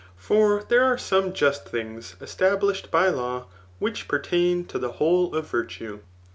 For there are some just things established by law, which pertain to the whole of virtue.